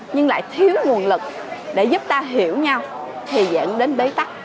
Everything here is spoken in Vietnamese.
nhưng lại thiếu nguồn lực để giúp ta hiểu nhau thì dẫn đến bế tắc